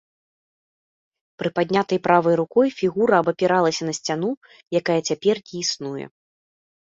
Прыпаднятай правай рукой фігура абапіралася на сцяну, якая цяпер не існуе.